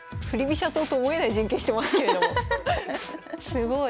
すごい。